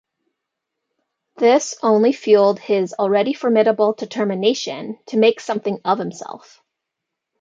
This only fueled his already formidable determination to "make something of himself".